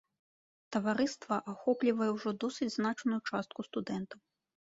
Таварыства ахоплівае ўжо досыць значную частку студэнтаў.